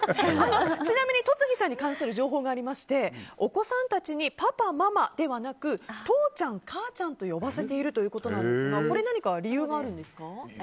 ちなみに戸次さんに関する情報がありましてお子さんたちにパパママではなく父ちゃん、母ちゃんと呼ばせているということですが理由があるんですか？